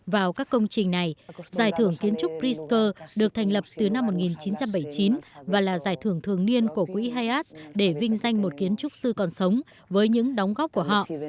vào các công trình này giải thưởng kiến trúc prisk được thành lập từ năm một nghìn chín trăm bảy mươi chín và là giải thưởng thường niên của quỹ hay ads để vinh danh một kiến trúc sư còn sống với những đóng góp của họ